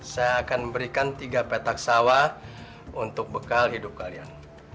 saya akan memberikan tiga petak sawah untuk bekal hidup kalian